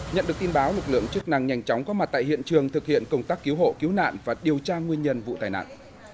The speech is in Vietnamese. nhận được tin báo lực lượng chức năng nhanh chóng có mặt tại hiện trường thực hiện công tác cứu hộ cứu nạn và điều tra nguyên nhân vụ tai nạn